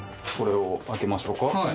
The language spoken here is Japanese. はい。